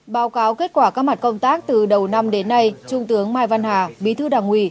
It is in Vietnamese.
báo cáo kết quả các mặt công tác từ đầu năm đến nay trung tướng mai văn hà bí thư đảng ủy